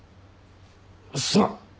すまん！